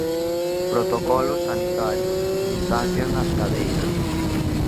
Protocolos sanitarios, distancias nas cadeiras.